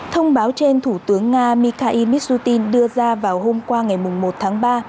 thông báo trên thủ tướng nga mikhail mishutin đưa ra vào hôm qua ngày một tháng ba